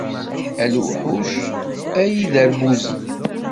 A lewḥuc, a iderbuzen.